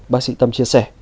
bác sĩ tâm chia sẻ